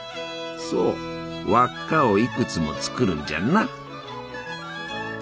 そう輪っかをいくつも作るんじゃな！